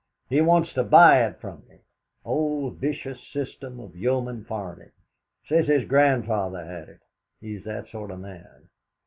He wants to buy it from me. Old vicious system of yeoman farming. Says his grandfather had it. He's that sort of man.